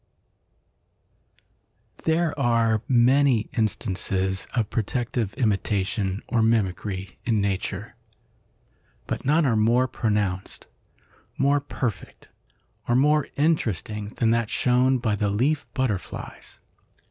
There are many instances of protective imitation or mimicry in nature, but none are more pronounced, more perfect or more interesting than that shown by the leaf butterflies.